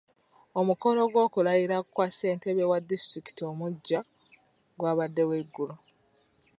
Omukolo gw'okulayira kwa ssentebe wa disitulikiti omuggya gwabaddewo eggulo.